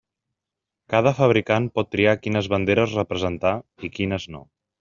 Cada fabricant pot triar quines banderes representar, i quines no.